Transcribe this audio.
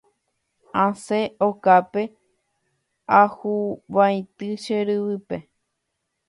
Asẽ okápe ahuvaitĩ che ryvýpe.